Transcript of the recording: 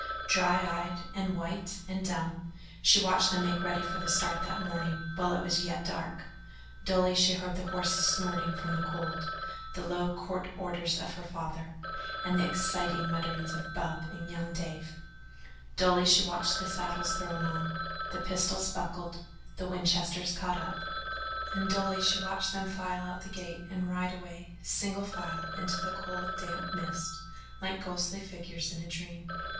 Dry eyed and white and dumb, she watched them make ready for the start that morning while it was yet dark; dully she heard the horses snorting from the cold, the low curt orders of her father, and the exciting mutterings of Bub and young Dave; dully she watched the saddles thrown on, the pistols buckled, the Winchesters caught up, and dully she watched them file out the gate and ride away, single file, into the cold, damp mist like ghostly figures in a dream.